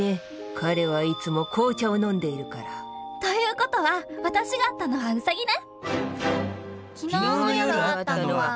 彼はいつも紅茶を飲んでいるから。という事は私が会ったのはウサギね。